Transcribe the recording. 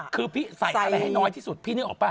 คือพี่ใส่อะไรให้น้อยที่สุดพี่นึกออกป่